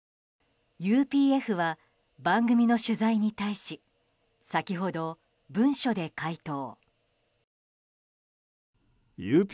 ＵＰＦは、番組の取材に対し先ほど文書で回答。